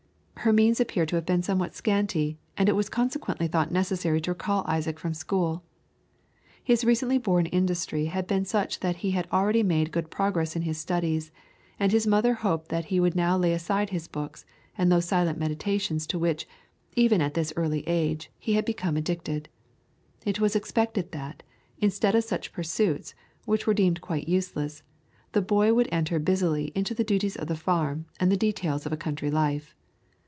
Her means appear to have been somewhat scanty, and it was consequently thought necessary to recall Isaac from the school. His recently born industry had been such that he had already made good progress in his studies, and his mother hoped that he would now lay aside his books, and those silent meditations to which, even at this early age, he had become addicted. It was expected that, instead of such pursuits, which were deemed quite useless, the boy would enter busily into the duties of the farm and the details of a country life.